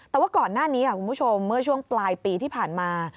แต่ว่าก่อนหน้านี้คุณผู้ชมเมื่อช่วงปลายปีที่ผ่านมา